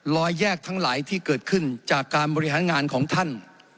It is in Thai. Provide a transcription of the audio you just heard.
รอยแยกทั้งหลายที่เกิดขึ้นจากการบริหารงานของท่าน